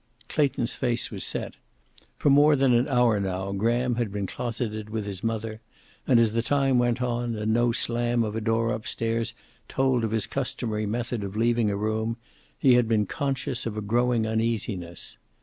Clayton's face was set. For more than an hour now Graham had been closeted with his mother, and as the time went on, and no slam of a door up stairs told of his customary method of leaving a room, he had been conscious of a growing uneasiness.